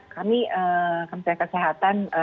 kami kementerian kesehatan